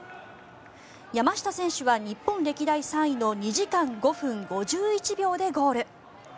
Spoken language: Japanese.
山下選手は日本歴代３位の２時間５分５１秒でゴール。